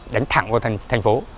đánh thẳng vào thành phố